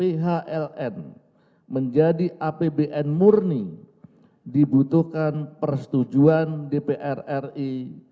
phln menjadi apbn murni dibutuhkan persetujuan dpr ri